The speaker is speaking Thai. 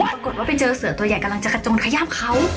ปรากฏว่าไปเจอเสือตัวใหญ่กำลังจะกระจนขย่ำเขา